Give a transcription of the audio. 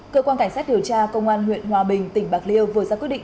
cơ quan cảnh sát điều tra công an huyện hòa bình tỉnh bạc liêu vừa ra quyết định